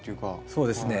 そうですね。